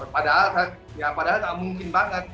padahal ya padahal nggak mungkin banget